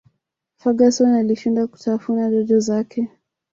ferguson alishindwa kutafuna jojo zake